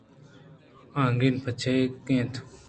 آ نگن پچگ ءَ اِنت